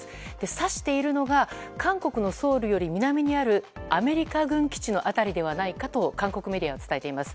指しているのが韓国のソウルより南にあるアメリカ軍基地の辺りではないかと韓国メディアは伝えています。